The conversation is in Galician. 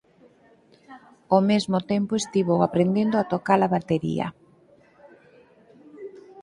Ao mesmo tempo estivo aprendendo a tocar a batería.